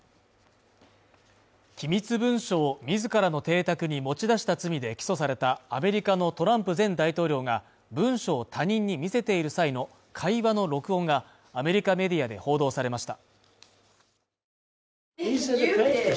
機密文書を自らの邸宅に持ち出した罪で起訴されたアメリカのトランプ前大統領が文書を他人に見せている際の会話の録音が、アメリカメディアで報道されました。